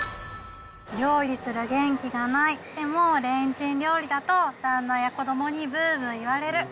料理する元気がない、でもレンチン料理だと、旦那や子どもにぶーぶー言われる。